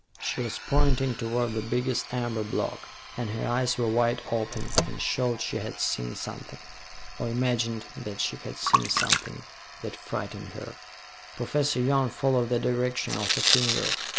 She was pointing toward the biggest amber block, and her eyes were wide open and showed she had seen something, or imagined that she had seen something, that frightened her. Professor Young followed the direction of her finger.